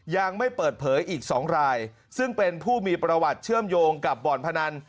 ยังไม่เปิดเผยอีก๒รายซึ่งเป็นผู้มีประวัติเชื่อมโยงกับบ่อนพนัน